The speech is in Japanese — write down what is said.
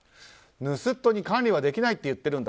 盗っ人に管理はできないって言ってるんだ。